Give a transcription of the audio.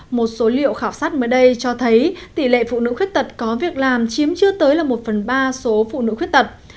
một số liệu khảo sát mới đây cho thấy tỷ lệ phụ nữ khuyết tật có việc làm chiếm chưa tới là một phần ba số phụ nữ khuyết tật